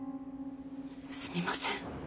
すみません。